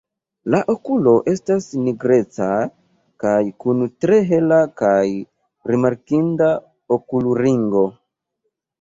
La okulo estas nigreca kaj kun tre hela kaj rimarkinda okulringo.